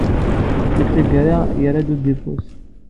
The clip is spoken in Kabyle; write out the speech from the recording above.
Deg tgara, yerra-d Oedipus.